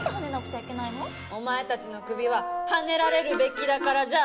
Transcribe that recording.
お前たちの首ははねられるべきだからじゃ。